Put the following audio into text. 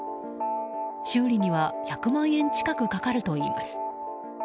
修理には１００万円近くかかるといいます。